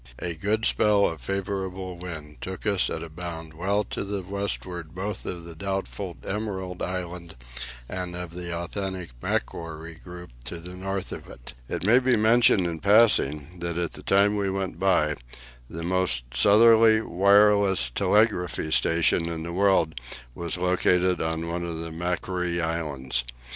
A good spell of favourable wind took us at a bound well to the windward both of the doubtful Emerald Island and of the authentic Macquarie group to the north of it. It may be mentioned in passing, that at the time we went by, the most southerly wireless telegraphy station in the world was located on one of the Macquarie Islands.